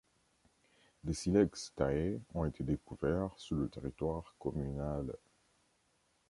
Des silex taillés ont été découverts sur le territoire communal.